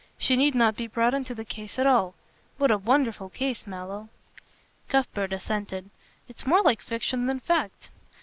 She need not be brought into the case at all. What a wonderful case, Mallow." Cuthbert assented. "It's more like fiction than fact."